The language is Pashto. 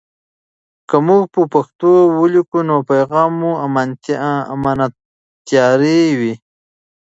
که موږ په پښتو ولیکو، نو پیغام مو امانتاري وي.